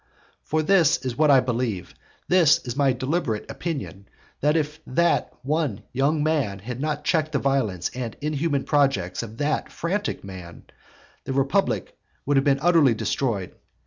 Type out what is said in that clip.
For this is what I believe, this is my deliberate opinion, that if that one young man had not checked the violence and inhuman projects of that frantic man, the republic would have been utterly destroyed.